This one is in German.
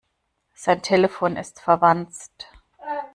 Sein Telefon ist verwanzt.